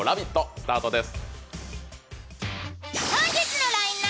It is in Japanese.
スタートです。